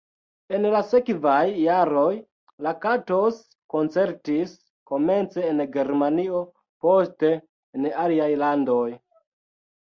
En la sekvaj jaroj Lakatos koncertis, komence en Germanio, poste en aliaj landoj.